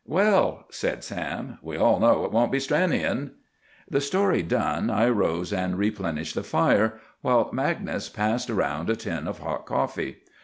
"Well," said Sam, "we all know it won't be Stranion!" The story done, I rose and replenished the fire, while Magnus passed around a tin of hot coffee.